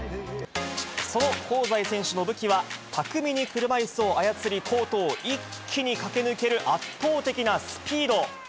その香西選手の武器は、巧みに車いすを操り、コートを一気に駆け抜ける圧倒的なスピード。